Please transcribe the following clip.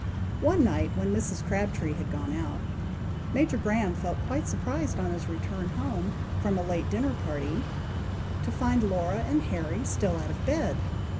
One night, when Mrs. Crabtree had gone out, Major Graham felt quite surprised on his return home from a late dinner party, to find Laura and Harry still out of bed.